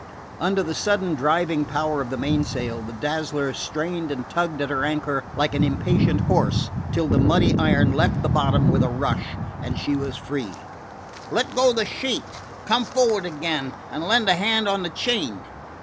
Under the sudden driving power of the mainsail, the Dazzler strained and tugged at her anchor like an impatient horse till the muddy iron left the bottom with a rush and she was free. "Let go the sheet! Come for'ard again and lend a hand on the chain!